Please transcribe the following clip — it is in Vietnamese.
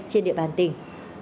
trên địa bàn tỉnh